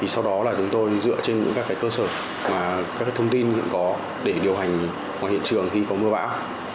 sau đó là chúng tôi dựa trên những các cơ sở các thông tin hiện có để điều hành ngoài hiện trường khi có mưa bão